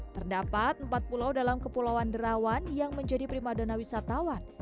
terdapat empat pulau dalam kepulauan derawan yang menjadi prima dona wisatawan